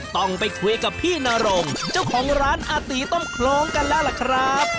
ต้องไปคุยกับพี่นรงเจ้าของร้านอาตีต้มโครงกันแล้วล่ะครับ